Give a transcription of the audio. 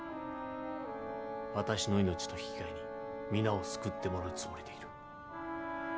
私の命と引き換えに皆を救ってもらうつもりでいる。